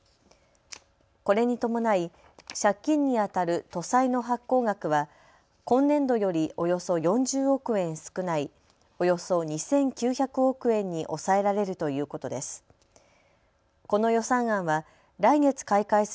これに伴い借金にあたる都債の発行額は今年度よりおよそ４０億円少ないおよそ２９００億円に抑えられるということです。